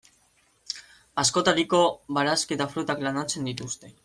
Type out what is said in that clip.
Askotariko barazki eta frutak landatzen dituzte.